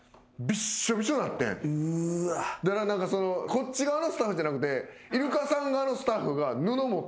こっち側のスタッフじゃなくて。